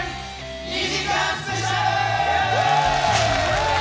２時間スペシャル！